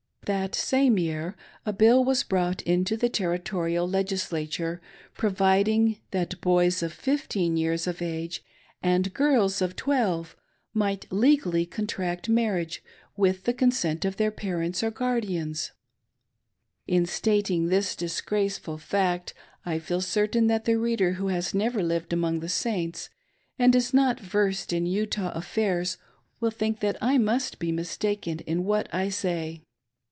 That same year, a bill was brought into the Territorial I(,egislature, providing that boys of fifteen years of age and girls of twelve might legally contract marriage, with the con sent of their parents or guardians 1 In stating this disgraceful fact, I feel certain that the reader who has never lived among the Saints and is not versed in Utah affairs will think that I must be mistaken in what I say.